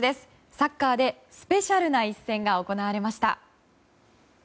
サッカーでスペシャルな一戦が行われました。